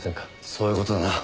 そういう事だな。